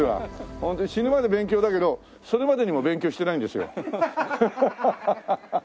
ほんで死ぬまで勉強だけどそれまでにも勉強してないんですよ。